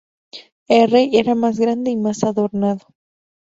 El Rey era más grande y más adornado.